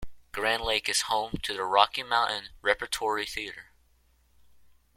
Grand Lake is home to the Rocky Mountain Repertory Theatre.